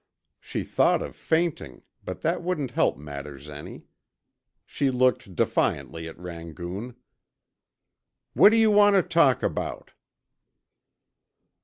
She thought of fainting, but that wouldn't help matters any. She looked defiantly at Rangoon. "What do you want to talk about?"